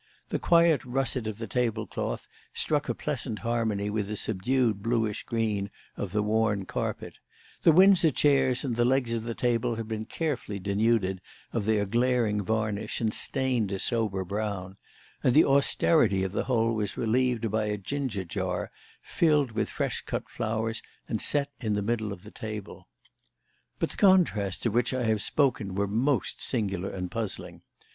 The quiet russet of the tablecloth struck a pleasant harmony with the subdued bluish green of the worn carpet; the Windsor chairs and the legs of the table had been carefully denuded of their glaring varnish and stained a sober brown; and the austerity of the whole was relieved by a ginger jar filled with fresh cut flowers and set in the middle of the table. But the contrasts of which I have spoken were most singular and puzzling.